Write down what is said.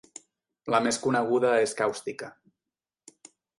La més coneguda és càustica.